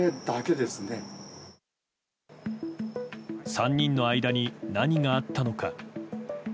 ３人の間に何があったのか。